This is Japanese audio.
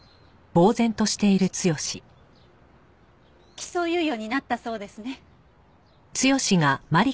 起訴猶予になったそうですね。